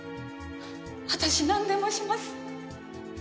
私なんでもします。